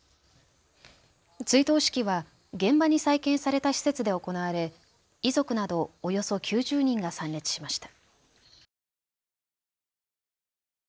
追悼式は現場に再建された施設で行われ遺族などおよそ９０人が参列しました。